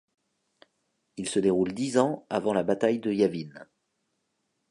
Il se déroule dix ans avant la bataille de Yavin.